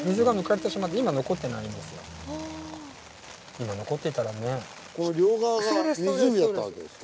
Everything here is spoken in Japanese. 今残っていたらねぇ。